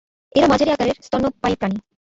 এরা মাঝারি আকারের স্তন্যপায়ী প্রাণী।